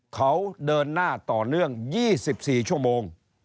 เขาเดินหน้าต่อเนื่อง๒๔ชั่วโมง